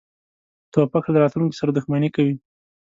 توپک له راتلونکې سره دښمني کوي.